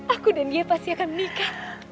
aku dan dia pasti akan nikah